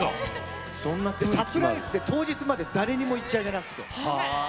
サプライズで当日まで、誰にも言っちゃいけないって。